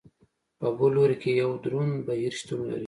په بل لوري کې یو دروند بهیر شتون لري.